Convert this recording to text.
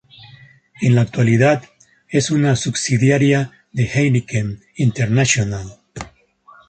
En la actualidad es una subsidiaria de Heineken International.